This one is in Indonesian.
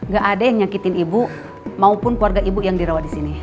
ga ada yang nyakitin ibu maupun keluarga ibu yang dirawat disini